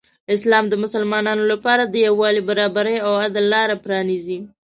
اسلام د مسلمانانو لپاره د یو والي، برابري او عدل لاره پرانیزي.